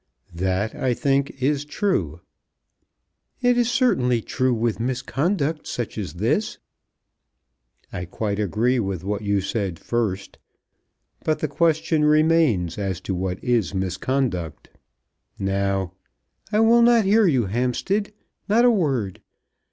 "That, I think, is true." "It is certainly true, with misconduct such as this." "I quite agree with what you said first. But the question remains as to what is misconduct. Now " "I will not hear you, Hampstead; not a word.